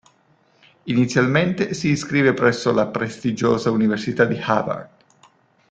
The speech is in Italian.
Inizialmente si iscrive presso la prestigiosa università di Harvard.